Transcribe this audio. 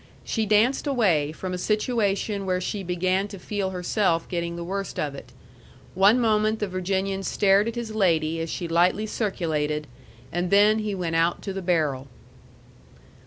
She danced away from a situation where she began to feel herself getting the worst of it. One moment the Virginian stared at his lady as she lightly circulated, and then he went out to the barrel.